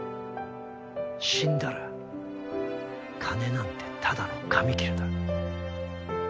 死んだら金なんてただの紙切れだ。